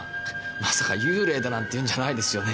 まさか幽霊だなんていうんじゃないですよね。